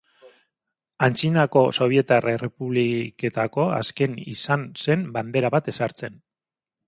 Antzinako sobietar errepubliketako azken izan zen bandera bat ezartzen.